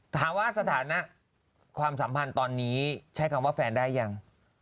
สถานะสถานะความสัมพันธ์ตอนนี้ใช้คำว่าแฟนได้ยัง